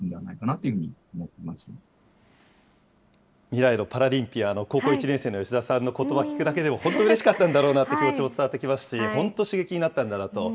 未来のパラリンピアンの高校１年生の吉田さんのことば、聞くだけでも本当うれしかったんだろうなって気持ちも伝わってきますし、本当刺激になったんだなと。